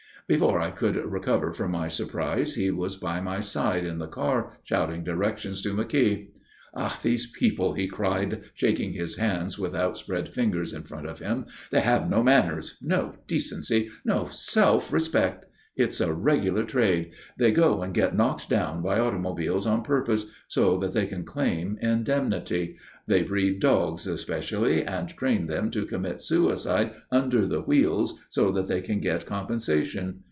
Before I could recover from my surprise, he was by my side in the car shouting directions to McKeogh. "Ah! These people!" he cried, shaking his hands with outspread fingers in front of him. "They have no manners, no decency, no self respect. It's a regular trade. They go and get knocked down by automobiles on purpose, so that they can claim indemnity. They breed dogs especially and train them to commit suicide under the wheels so that they can get compensation.